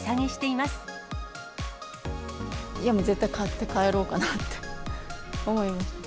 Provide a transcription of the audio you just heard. いや、もう、絶対買って帰ろうかなと思いました。